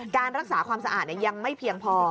การรักษาความสะอาดยังไม่เพียงพอ